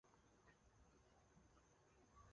此说认为栾氏乃炎帝的后代。